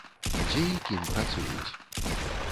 Дзе і кім працуюць?